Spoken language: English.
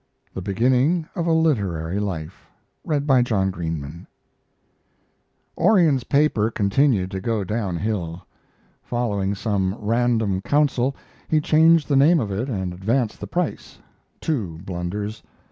THE BEGINNING OF A LITERARY LIFE Orion's paper continued to go downhill. Following some random counsel, he changed the name of it and advanced the price two blunders.